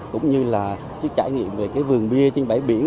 cũng như là trải nghiệm về vườn bia trên bãi biển